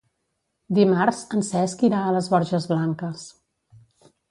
Dimarts en Cesc irà a les Borges Blanques.